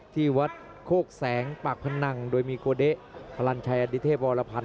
ที่วัดโคกแสงปากพนังโดยมีโกเดะพลันชัยอดิเทพวรพันธ